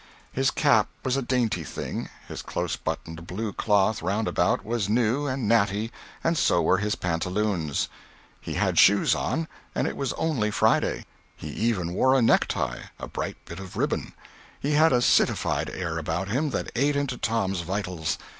His cap was a dainty thing, his close buttoned blue cloth roundabout was new and natty, and so were his pantaloons. He had shoes on—and it was only Friday. He even wore a necktie, a bright bit of ribbon. He had a citified air about him that ate into Tom's vitals.